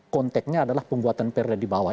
konteknya adalah pembuatan perda di bawah